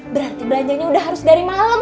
berarti belanjanya udah harus dari malam